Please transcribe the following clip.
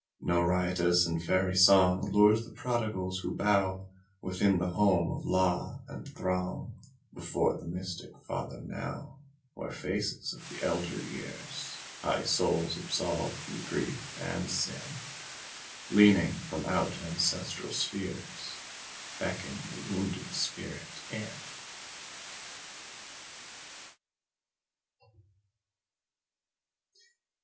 No riotous and fairy songAllures the prodigals who bowWithin the home of law, and throngBefore the mystic Father now, Where faces of the elder years, High souls absolved from grief and sin, Leaning from out ancestral spheresBeckon the wounded spirit in.